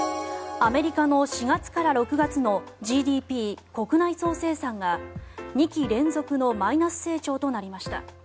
アメリカの４月から６月のＧＤＰ・国内総生産が２期連続のマイナス成長となりました。